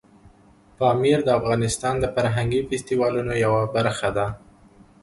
پامیر د افغانستان د فرهنګي فستیوالونو یوه برخه ده.